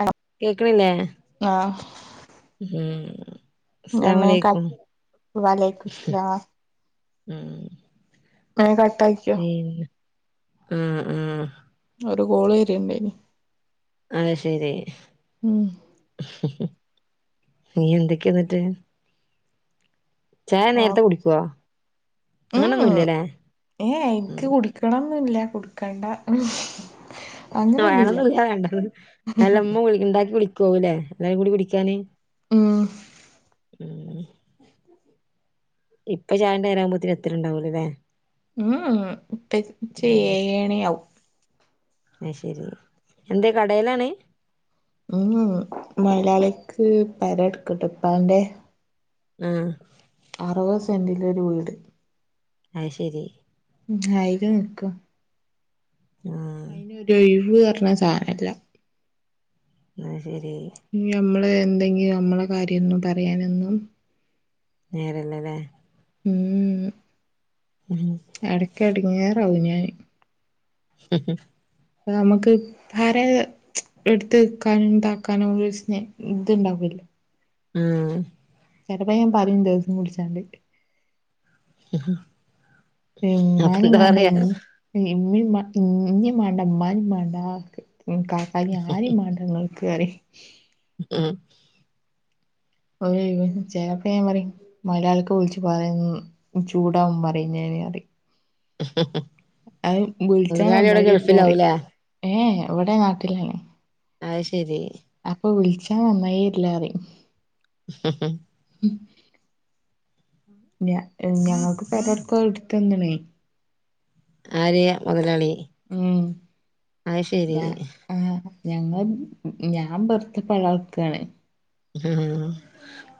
ആഹ് കേക്കണില്ലെ ആഹ് ഉം ഞാൻ വേം കട്ട് അസ്സലാമലൈയ്ക്കും വലൈക്കും സ്ലാം ഉം ആഹ് കട്ടായി ആഹ് ആഹ് ഒര് കോള് വെര്ണ്ടേനി അത് ശരി ഉം നീ എന്തെക്കെ എന്നിട്ട് ചായ ആ നേരത്തെ കുടിക്കുവോ അങ്ങനൊന്നുല്ലല്ലേ ഏഹ് ഇൻക്ക് കുടിക്കണംന്നുല്ല കുടിക്കണ്ട അങ്ങനൊന്നുല്ല വേണന്നുല്ല വേണ്ട അല്ലമ്മ ഇണ്ടാക്കി വിളിക്കാവുലെ എല്ലാരും കൂടി വിളിക്കാന് ഉം ഉം ഇപ്പ ചായന്റെ രാകുമ്പോത്തിന് എത്തല്ണ്ടാവുലല്ലെ ഉം ഇപ്പച്ചി ഏഴണിയാവും അഹ് ശരി എന്തെ കടെലാണ് ഉം മൊയ്‌ലാളിക്ക് പെരട്ക്ക്‌ണ്ട് ഇപ്പാന്റെ ആഹ് അറുവത് സെന്റിലൊരു വീട് അയ് ശരി ഉം അയ്ല് നിക്കും ആഹ് രോയിവ് പർഞ്ഞ സാനല്ല ന്നാ ശരി ഞ് നമ്മള് എന്തെങ്കിലും നമ്മളെ കാര്യംന്നും പറയാനൊന്നും നേരെല്ലല്ലേ മ് മ് എടക്ക് എടങ്ങേറാവും ഞാന് പ്പ നമുക്ക് ആരെ ട്ത്ത് വെക്കാനും താക്കാനൊരു സ്നേ ഇത്ണ്ടാവൂല്ല ആഹ് ചെലപ്പ ഞാൻ പറിം ദേഷ്യം പുട്ച്ചാണ്ട് അപ്പൊ ഇമ്മാനിം എന്താ മാണ്ട പറയാ ഇനീം ഇമ്മീം മാ ഇന്നിം മാണ്ടാ ഇമ്മാനിം മാണ്ടാ കാക്കാനിം ആരിം മാണ്ട ഇങ്ങള് കേറി ഉം ഒര് ചെലപ്പ ഞാൻ പറേം മോയ്ലാളിക്ക് വിളിച്ച് പറേം ചൂടാവും പറിം ഞാനീറയും അഹ് മുതലാളി വിളിച്ചാൻ അവിടെ [unintelligible] ഗൾഫിലാവൂലേ ഏഹ് ഇവിടെ നാട്ടിലാണ് അയ് ശരി അപ്പൊ വിള്ച്ചാ നന്നായില്ലറിം ഹ് ഹ് ഞ ഞങ്ങക്ക് പെരട്ക്കട്ത്തന്ന്ണേ ആര് മോതലാളി ഉം ഞാ ആഹ് ഞങ്ങ ഞാൻ പെറ്ത പളിആൾക്കാണ് ആഹ്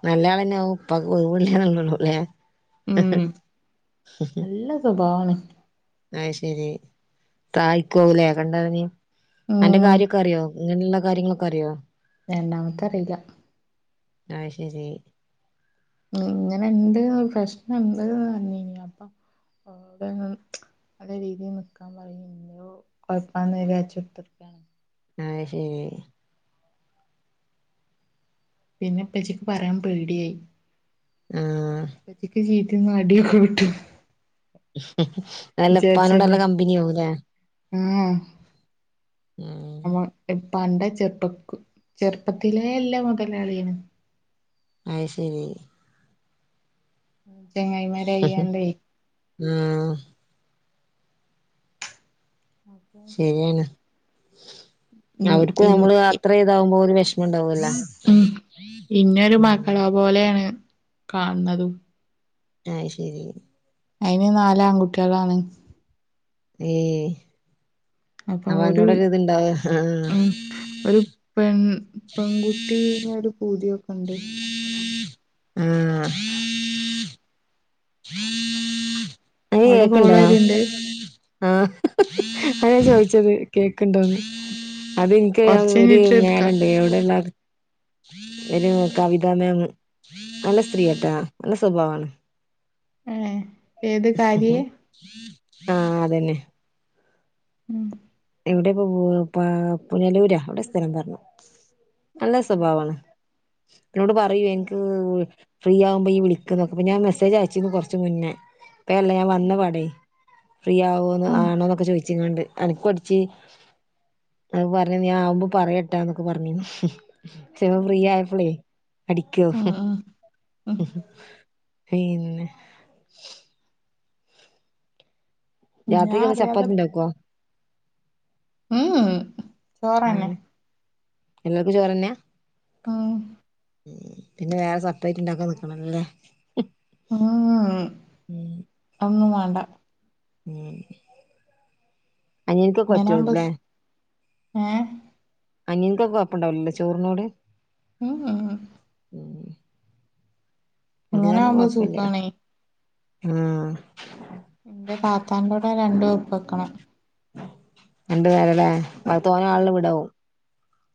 നല്ലയാളന്നെ ഉപ്പാക് [unintelligible] ല്ലേ ഉം നല്ല സ്വഭാവാണ് അഹ് ശെരി തായിക്കാവുലെ കണ്ടറ്ഞ് അന്റെ ഉം കാര്യൊക്കെ അറിയോ അങ്ങനെള്ള കാര്യങ്ങളൊക്കെ അറിയോ രണ്ടാമത്തെ അറീല ആയ് ശരി ഉം ഇങ്ങനെണ്ട് പ്രശ്നണ്ട് ന്ന് പർഞ്ഞീനി അപ്പം അപ്പോ അവിടെ നല്ല രീതീൽ നിക്കാൻ പറീന്ന് [unintelligible] കൊയ്ക്കാന്ന് വിചാര്ച്ച് കുത്തർക്കാണ്. ആയ് ശരി പിന്നെ പ്പച്ച് പറയാൻ പേട്യയി ആഹ് പ്പച്ചിക്ക് ജീ [unintelligible] അടിയൊക്കെക്കിട്ടും ഉം അല്ലപ്പാനോട് നല്ല വിചാരിച്ചന്നെ കമ്പനി ആവും ലേ ആഹ് ഉം നമ്മ ഇപ്പാന്റെ ചെറുപ്പക്ക ചെറുപ്പത്തിലേള്ള മുതലാളിയാണ് അയ് ശെരി ചങ്ങായിമാരായാണ്ടേ ആഹ് [inaudible] ശരി ആണ് ഉം അവര്ക്കും ഇൻ അമ്മള് ഇ അത്ര ഇതാവുമ്പോ ഒരു വെഷ്മണ്ടാവല്ലൊ ഇന്നോല് മക്കളെ പോലെണ് കാണ്ണതും ആയ് ശരി അയിന് നാല് ആൺകുട്ട്യേളാണ് ഏഹ്‌ അപ്പൊ ഒരു അപ്പന്നോടൊരുത്ണ്ടാവ ആഹ്‌ ഉം ഒരു പെൺ പെൺകുട്ടീന്നൊരു പൂതിയൊക്കെണ്ട് ആഹ് ങ്ങക്ക് അവിടെ കേക്ക്‌ണ്ടോ കോള് വര്ണ്ട് ആഹ്‌ അതാ ഞാൻ ചോയിച്ചത് കേക്ക്‌ണ്ടോന്ന് അതിൻക്ക് ഞാൻ കൊറച്ച് ഒരു കഴിഞ്ഞിട്ട് എടുക്കാ മേലണ്ട് അവടെള്ള ഒരു കവിതാ മേമ് നല്ല സ്ത്രീയാട്ടോ നല്ല സ്വഭാവാണ് ഏഹ് ഏത് കാര്യേ ആഹ്‌ അതന്നെ ഉം എവിടെപ്പോ [unintelligible] പുനലൂരാ എവിടോ സ്ഥലം പറഞ്ഞു നല്ല സ്വഭാവാണ് എന്നോട് പറയോ എനിക്ക് ഫ്രീ ആകുമ്പോ ഈ വിളിക്ക്‌ന്ന് അപ്പോ ഞാൻ മെസേജ് അയച്ചിന്ന് കൊറച്ച് മുന്നേ ഇപ്പ അല്ല ഞാൻ വന്ന പാടേ ഫ്രീ ആവോന്ന് ഉം ആണോന്നൊക്കെ ചോയിച്ച് ക്കാണ്ട് അനക്കും അട് ച്ച് പർഞ്ഞ് ഞാൻ ആവുമ്പോ പറയട്ടാന്നൊക്കെ പർഞ്ഞ് ചെൽപ്പോ ഫ്രീ ആയപ്പളേ അടിക്കോ ഉം ഉം പിന്നെ ഉം ഞാൻ രാത്രിക്ക് എന്ത അറിയാതെ ചപ്പാത്തി ണ്ടാക്കോ ഉം ഉം ചോറെന്നെ എല്ലർക്കും ചോറെന്നെയാ ആഹ്‌ ഉം പിന്നെ വേറെ സപറേറ്റ് ഇണ്ടാക്കാ ന്ക്കണല്ലേ ഉം ഉം അഹ ഒന്നും വേണ്ട. ഉം അനിയൻക്കൊക്കെ ങ്ങനാവുമ്പോ പറ്റുവാരിക്കുല്ലേ സ് ഏഹ്‌. അനിയൻക്കോക്ക കൊഴപ്പണ്ടാവൂല ല്ലോ ചോറിനോട്? ഊം ഉം ഉം അത് ഇങ്ങനെ കാര്ണം ആവുമ്പോ കൊഴ്പ്പല്ല്യാ സുഖാണേ ആഹ് എന്റെ താത്താന്റോടെ രണ്ട് വെപ്പാക്ക്‌ണത് രണ്ടു പേരടെ അഹ് തോനെ ആള്ളെ വിടാവോ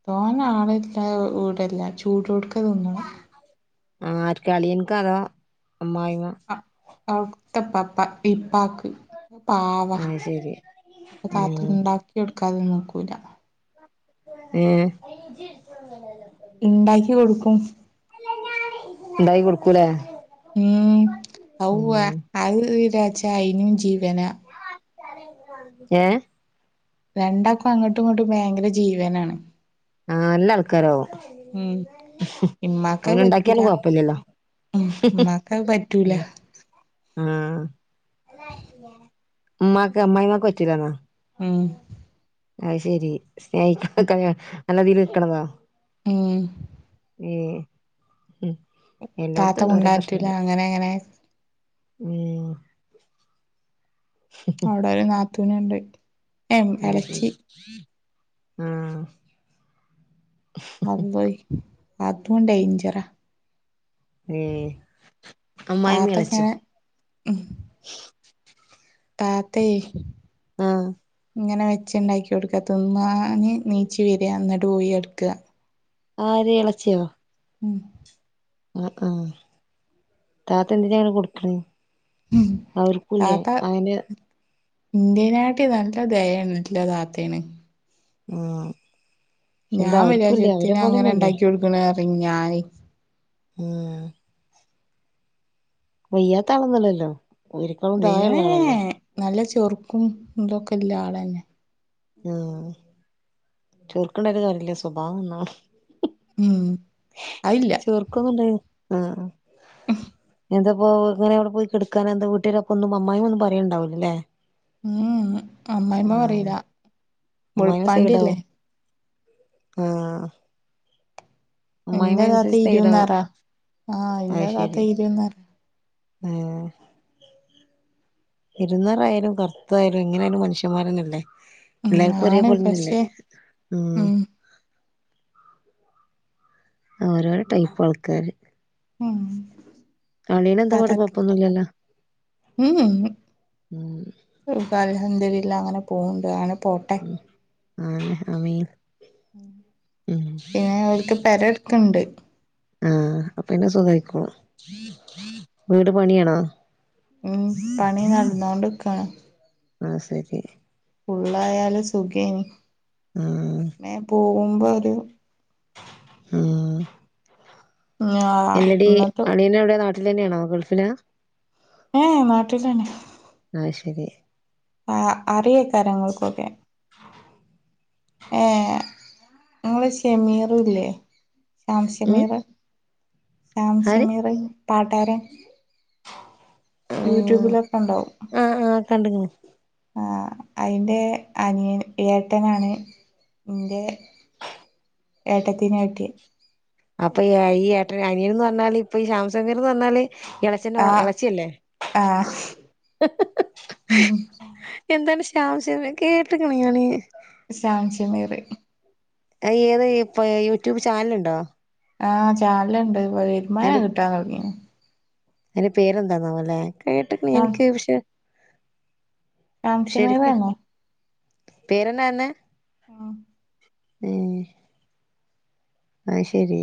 തോനെ ആളെ ട്ട്വോ വീടല്ല ചൂടോട്ക്കെ തിന്നണം ആര്ക്കാ അളിയൻക്കാ അതോ അമ്മായിമ്മ അഹ അവിട് ത്തെ ഇപ്പ ഇപ്പാ പ്പീ പാക്ക് പാവ അത് ശരി താത്ത ഉം ഇണ്ടാക്കി എടുക്കാതെന്നും നിക്കൂല ഏഹ് ഇണ്ടാക്കി കൊടുക്കും. ണ്ടാക്കി കൊട്ക്കുലേ ഉം അവ് അവ് വിരാച്ച അയിനും ജീവനാ ഏഹ് രണ്ടാക്കും അങ്ങട്ടും ഇങ്ങട്ടും ഭെയെങ്കെര ജീവനാണ് ആഹ് ല്ല ആൾക്കാരാവും ഉം അപ്പ ഇമ്മാക്കത് പിന്നെ ണ്ടാക്ക്യാലും പറ്റൂല കൊഴ്പ്പല്ല്യല്ലോ ഉം മ്മാക്കത് പറ്റൂലാ ആഹ് മ്മാക് അമ്മായ്മ്മാക്ക് പറ്റൂലാന്നാേ ഉം അത് ശെരി സ്നേഹിക്ക്ണ [unintelligible] നല്ലതീല് ന്ക്ക്ണതോ ഊം ഏഹ് ഉം താത്ത എല്ലോട്ത്തുണ്ട് ഓരോ മുണ്ടാൻ പറ്റൂല പ്രശ്നങ്ങള് അങ്ങനെ അങ്ങനെ ഊം അവ്ടൊര് നാത്തൂന്ണ്ട് അയ്ശെരി ആഹ് അള്ളോയ് അതും ഡെയ്ജെറാ ഏഹ് അമ്മായ്മ്മിം താത്ത എളെച്ച്യും ഇങ്ങനെ താത്തേ ആഹ് ഇങ്ങെനെ വെ വെച്ച്ണ്ടാക്കി കൊട്ക്ക ത്ന്നാന് നീച്ച് വെരാ ന്നെട്ട് പോയെട്ക്കാ ആര് എളെച്ച്യോ ഉം അഹ് ആഹ് താത്ത എന്തിനാ ങ്ങെനെ കൊട്ക്ക്‌ണെ ഉം താത്ത ന്റേനാട്ടിം നല്ല ദെയേണ് ന്റെ താത്തേണ് ആഹ് പക്ഷെ എന്താ ഞാം വിചാര്ച്ചും അവർക്കൂല്ലേ അവരെ എത്തിനാ അങ്ങെനെ പോലെന്നല്ലേ ണ്ടാക്ക്യൊട്ക്ക്‌ണേറിം ഞാന് ഉം വെയ്യാത്ത ആളൊന്നും അല്ലല്ലോ ഒലെക്കാളും തായെള്ളാളല്ലേ ഏഹ് നല്ല ചാെർക്കും ഇതൊക്കെല്ലാളെന്നെ ആഹ് ചൊർക്ക്ണ്ടായ്ട്ട് കാര്യല്ല സ്വഭാവം നന്നാവണം ഉം അയില്ലാ ചൊർക്കൊന്നുംണ്ടായ് ആഹ് ആഹ് മ്മ്ഹ് എന്തപ്പോ ങ്ങെനെ അവിടെ പോയി കെട്ക്കാനെന്താ വീട്ടാര് അപ്പൊന്നും അമ്മായിമൊന്നും പറ്യേല്ണ്ടാവുലലേ ഉം ഉം അമ്മായിമ്മ പരീലാ വെൾപ്പാണ്ട്യല്ലേ ആഹ് അമ്മായ്മ്മിം എന്റെ താത്ത അയ്നൻസര്ച്ച് സെയ്ഡാവും ഇരുന്നാറാ ആഹ് ഇന്റെ അയ് താത്ത ശെരി ഇരുന്നാറ് ഏ... ഇരുന്നാറായാലും, കറുത്തായാലും, എങ്ങനായാലും, മനുഷ്യന്മാരന്നല്ലേ. ഉം എല്ലാർക്കും ഒരേ ആണ് പോലന്നല്ലേ? പക്ഷെ ഉം.. ഓരോരോ ടൈപ്പ് ആൾക്കാര്. ഉം... അളിയന് ന്താ പാട് കൊയപ്പൊന്നുല്ലല്ലോ? മ് ഹ് അൽഹംദുലില്ലാഹ്, അങ്ങനെ പോണ്ട് അങ്ങനെ പോട്ടെ. ആഹ് അമീൻ. പിന്നെ ഓര്ക്ക് പേരേട്ക്കുണ്ട്! ആഹ് അ പിന്നെ സുഖായിക്കോളും, വീട് പണിയാണോ? ഉം.. പണി നടന്നോണ്ട്ക്കാണ്. ആഹ് ശരി. ഫുള്ള ആയാലും സുഖേന്. ആഹ്.. [unintelligible] പോകുമ്പോ വരൂ- ഉം... ഞാ ഇല്ലടി ഇന്നട്ട് അളിയൻ എവിടെ നാട്ടില് തന്നെയാണോ? ഗൾഫിലാ? ഏഹ് നാട്ടിൽ തന്നെ. ആഹാ ശരി. ആഹാ അറിയെ കാരം, അവർക്കൊക്കെ. [inaudible] ഏഹ് നിങ്ങള് ഷെമീറു ല്ലേ? ആഹാ ഉം ഷെമിറ്, ആഹാ ആര് ഷെമിറ്, പാട്ടാരൻ. യൂട്യൂബിലൊക്കെ ഉണ്ടാവും. ആഹാ ആഹ കണ്ട്ക്ക്ണ്. ആഹാ അയിന്റെ അനിയന്- ഏട്ടനാണ് ഇന്റെ- ഏട്ടത്തിനെയായിട്ട്. അപ്പോ [unintelligible] ഈ ഏട്ട അനിയനെന്ന് പറഞ്ഞാല് ഇപ്പോ, ഈ ഷെമീർ എന്ന് പറഞ്ഞാല് ഇ- ഇജ്ജോ ആ എളച്ചി അല്ലേ? ആ എന്താണ് ഷമീർ കേട്ട്ക്ക്ണ് ഞാന്. [unintelligible] അയ് ഏതാ ഇപ്പ യൂട്യൂബ് ചാനലുണ്ടോ? ആഹ് ചാനലുണ്ട് വരുമാനം കിട്ടാൻ തൊടങ്ങീനു. അയിന്റെ പേരെന്താന്നാവോല്ലേ? കേട്ട്ക്ക്ണ് ശാം എനിക്ക് പക്ഷെ. ശാംശമീർ ശരിക്ക് തന്നെ പേരെന്താണ്. ആഹ്.. [inaudible] അയ് ശരി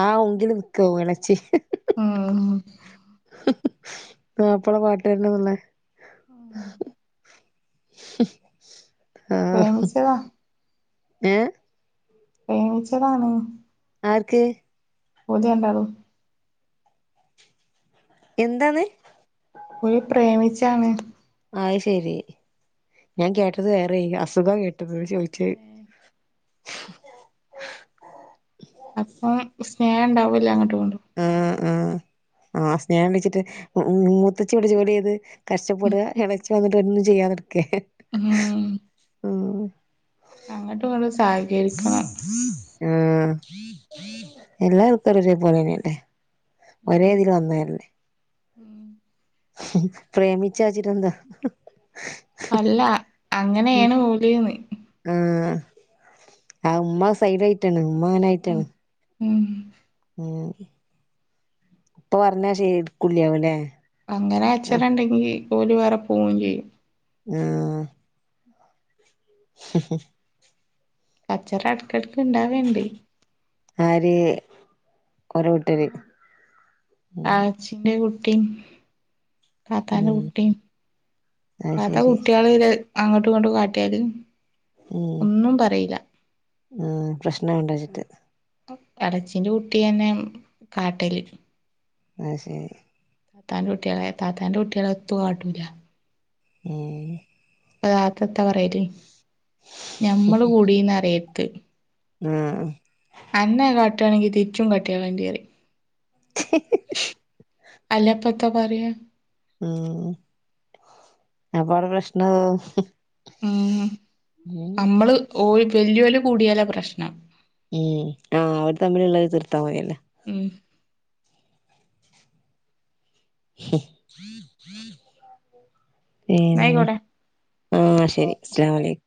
ആഹാ ഒങ്കില് നിക്ക വിളച്ചി. ഉം... മാപ്പള പാട്ട് [unintelligible] ആഹ്... ഉം.. ആഹ പ്രേമിച്ചതാ ഏഹ്.. പ്രേമിച്ചതാണ്. ആർക്ക്? പൂതിരണ്ടാളും. എന്താന്ന്? ഇവര് പ്രേമിച്ചാണ്. അയ്ശെരി, ഞാൻ കേട്ടത് വേറെനു അസുഖം കേട്ടു- ചോദിച്ചേ അപ്പോ സ്നേഹണ്ടാവൂല്ല അങ്ങട്ടും ഇങ്ങട്ടും ആഹ് ആഹ് ആ സ്നേഹം ഇണ്ടച്ചിട്ട് ഉ മൂത്തച്ചി ഇവടെ ജോലി ചെയ്തു കഷ്ടപ്പെട ഇളച്ചി വന്നിട്ട് ഒുന്നും ചെയ്യാതെടുക്കെ ഉം അങ്ങട്ടും ഇങ്ങട്ടും സഹകരിക്കണം [inaudible] ആഹ് എല്ലാർക്കൊര് ഒരേ പോലെന്നെയല്ലേ ഒരേ ഇതില് വന്നെയല്ലേ ഉം... പ്രേമിച്ചാചിട്ടെന്താ? അല്ലാ അങ്ങനെയാണ് ഓല് ന്ന് ആഹ് ആ ഇമ്മ സൈഡയിട്ടാണ് ഇമ്മ ഉം അങ്ങനായിട്ടാണ് ഉം ഏഹ് ഇപ്പൊ പറഞ്ഞ [unintelligible] അങ്ങനെച്ചനണ്ടെങ്കി ഓല് വേറെ പോവും ചെയ്യും ആഹ് ഹ് ഹ് കച്ചറ എടെക്കെടെക്ക് ഇണ്ടാവേണ്ട് ആര് ഒര വീട്ടിൽ ഉം ച്ചിന്റെ കുട്ടിം താത്താന്റെ ഉം കുട്ടിയും അത് താത്ത ശരി കുട്ടികളില് അങ്ങോട്ടും ഇങ്ങോട്ട് കാട്ടിയ ഉം ഉം പ്രശ്ന ആണ്ടചിട്ട് എളച്ചീന്റെ കുട്ടിയന്നെ കാട്ടല് അഹ് ശരി താത്താന്റെ കുട്ട്യാളെ താത്താന്റുട്ട്യാളെ എത്തു കാട്ടൂല ഉം പ താത്ത എത്താ പറയല് ഞമ്മള് കൂടീന്ന് അറിയത്ത് ആഹ് അന്നേ കാട്ടുവാണെങ്കിൽ തിരിച്ചു കട്ടിയാലണ്ടി പറിം ച്ചി അല്ലപ്പത്തപറയാ ഉം അപ്പവടെ പ്രശ്നാവ് ഉം അമ്മള് ഓയ് വല്ല്യോല് കൂടിയാലാ പ്രശ്നം ഉം ആഹ് അവര് തമ്മിലുള്ളതെ തിർത്താ മതിയല്ലേ ഉം പീന്നെ ന്നായിക്കോട്ടെ ന്നാ ശരി അസ്സലാമലയ്ക്കും